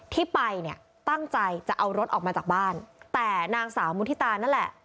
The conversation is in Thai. ที่ไปเนี่ยตั้งใจจะเอารถออกมาจากบ้านแต่นางสาวมุฒิตานั่นแหละ